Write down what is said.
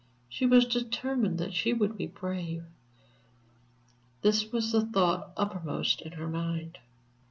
She was determined that she would be brave. This was the thought uppermost in her mind.